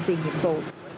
tùy nhiệm vụ